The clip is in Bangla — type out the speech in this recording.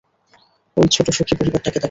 ওই ছোট সুখী পরিবারটাকে দেখ।